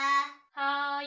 はい。